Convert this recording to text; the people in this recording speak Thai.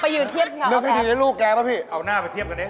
ไปอยู่เทียบสิค่ะอ๊อบแอบแล้วพี่ดีนะลูกแกป่ะพี่เอาหน้าไปเทียบกันนะ